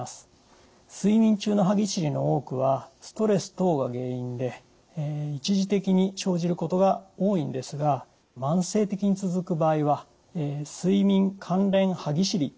睡眠中の歯ぎしりの多くはストレス等が原因で一時的に生じることが多いんですが慢性的に続く場合は睡眠関連歯ぎしりという病気の可能性があります。